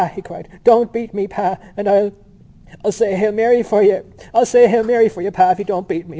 he cried. "Don't beat me, pa! And I'll ... I'll say a Hail Mary for you.... I'll say a Hail Mary for you, pa, if you don't beat me....